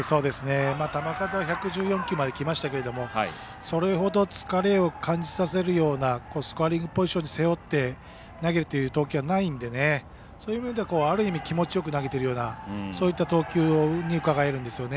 球数は１１４球まできましたけどもそれほど疲れを感じさせるようなスコアリングポジションに背負って投げている投球はないのでそういう意味では気持ちよく投げているようなそういう投球にうかがえるんですよね。